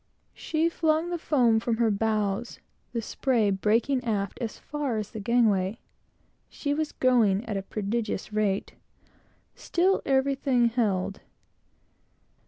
She flung the foam from her bows; the spray breaking aft as far as the gangway. She was going at a prodigious rate. Still, everything held.